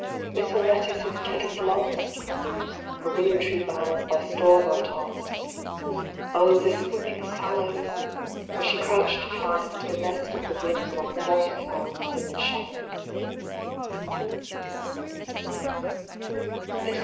Little Lettice is dead and lost! Her willow tree boughs by storm are tost—Oh, the swimming sallows!—Where she crouched to findThe nest of the windLike a water fowl's in the shallows.